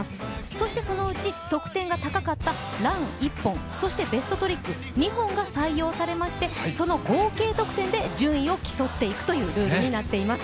そして、そのうち得点が高かったラン１本、そしてベストトリック２本が採用されまして、その合計得点で順位を競っていくというルールになっています。